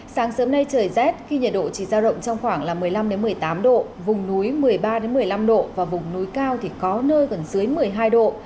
sáng sớm nay trời rét khi nhiệt độ chỉ giao động trong khoảng một mươi năm một mươi tám độ vùng núi một mươi ba một mươi năm độ và vùng núi cao thì có nơi còn dưới một mươi hai độ